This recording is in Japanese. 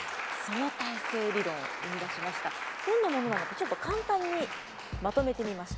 どんなものなのかちょっと簡単にまとめてみました。